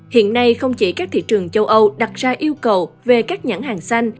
hiện nay không chỉ các thị trường châu âu đặt ra yêu cầu về các nhãn hàng xanh